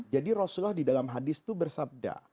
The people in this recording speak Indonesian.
jadi rasulullah di dalam hadis itu bersabda